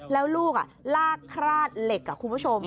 แล้วลูกลากราดเหล็ก